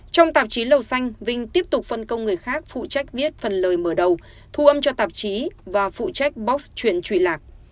trong tạp chí lầu xanh vinh tiếp tục phân công người khác phụ trách viết phần lời mở đầu thu âm cho tạp chí và phụ trách box chuyện trụy lạc